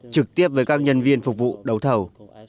từ các nhân viên phục vụ đấu thầu